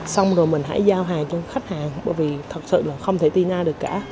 xong rồi mình hãy giao hàng cho khách hàng bởi vì thật sự là không thể tin ai được cả